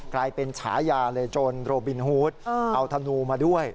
กลายเป็นฉายาเลยจนโรบินฮูดเอาธนูมาด้วย